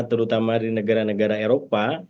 terutama di negara negara eropa